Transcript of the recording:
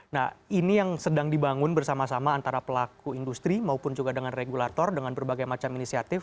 nah ini yang sedang dibangun bersama sama antara pelaku industri maupun juga dengan regulator dengan berbagai macam inisiatif